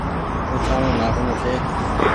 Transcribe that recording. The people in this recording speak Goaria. وڇآڻو ناڪڻو ڇي